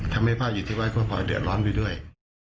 ทำให้พ่ออยู่ไว้เพราะว่าพ่อหนังเดี๋ยวล้อนไปด้วย